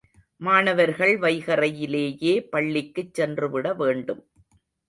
மாணவர்கள் வைகறையிலேயே பள்ளிக்குச் சென்றுவிட வேண்டும்.